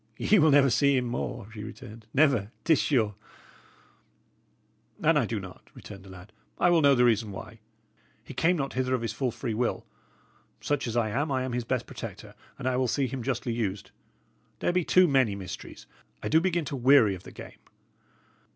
"Ye will never see him more," she returned "never. It is sure." "An I do not," returned the lad, "I will know the reason why. He came not hither of his full free will; such as I am, I am his best protector, and I will see him justly used. There be too many mysteries; I do begin to weary of the game!"